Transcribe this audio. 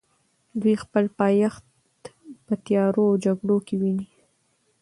دوی خپل پایښت په تیارو او جګړو کې ویني.